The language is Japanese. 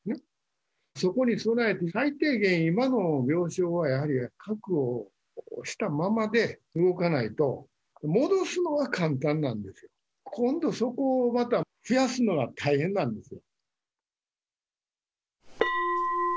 そこに備えて、最低限、今の病床をやはり確保したままで動かないと、戻すのは簡単なんですよ、今度そこをまた増やすのが大変なんですよ。